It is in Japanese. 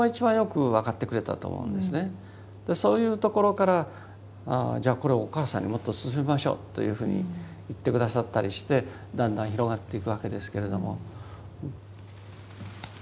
そういうところからじゃあこれお母さんにもっと薦めましょうというふうに言って下さったりしてだんだん広がっていくわけですけれども。